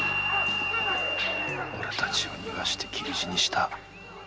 俺たちを逃がして斬り死にした。